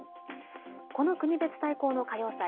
この国別対抗の歌謡祭